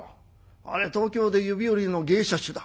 あれは東京で指折りの芸者衆だ」。